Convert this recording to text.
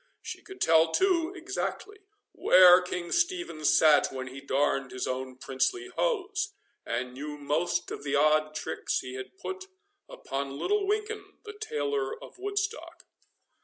She could tell, too, exactly, where King Stephen sat when he darned his own princely hose, and knew most of the odd tricks he had put upon little Winkin, the tailor of Woodstock.